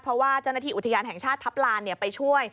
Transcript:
เพราะว่าเจ้าหน้าที่อุทยานแห่งชาติทัพลานไปช่วย